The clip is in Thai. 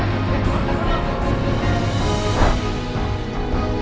รอเลือดวงไป